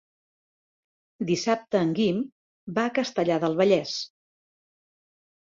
Dissabte en Guim va a Castellar del Vallès.